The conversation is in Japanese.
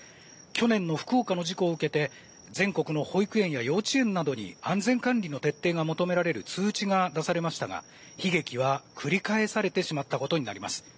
去年の福岡の事故を受けて全国の保育園や幼稚園などに安全管理の徹底が求められる通知が出されましたが悲劇は繰り返されてしまったことになります。